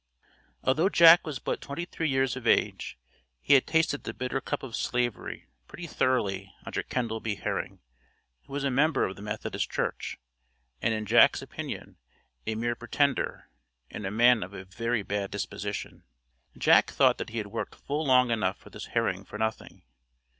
Although Jack was but twenty three years of age, he had tasted the bitter cup of Slavery pretty thoroughly under Kendall B. Herring, who was a member of the Methodist Church, and in Jack's opinion a "mere pretender, and a man of a very bad disposition." Jack thought that he had worked full long enough for this Herring for nothing.